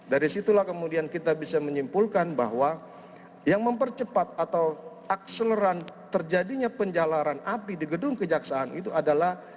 dari situlah kemudian kita bisa menyimpulkan bahwa yang mempercepat atau akseleran terjadinya penjalaran api di gedung kejaksaan itu adalah